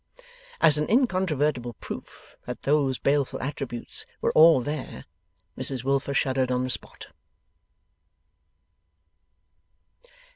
As an incontrovertible proof that those baleful attributes were all there, Mrs Wilfer shuddered on the spot.